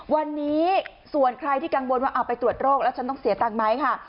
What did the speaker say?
วันนี้ส่วนใครที่กังวลว่าเอาไปตรวจโรคแล้วฉันต้องเสียตังค์ไหมค่ะ